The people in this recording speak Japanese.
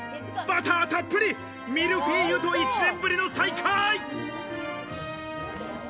バターたっぷりミルフィーユと１年ぶりの再会。